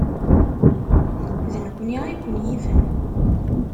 D nekkni ay ken-yifen.